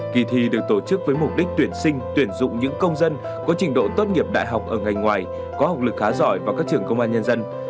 kỳ thi được tổ chức với mục đích tuyển sinh tuyển dụng những công dân có trình độ tốt nghiệp đại học ở ngành ngoài có học lực khá giỏi vào các trường công an nhân dân